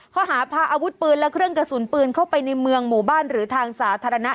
ข้อหาพาอาวุธปืนและเครื่องกระสุนปืนเข้าไปในเมืองหมู่บ้านหรือทางสาธารณะ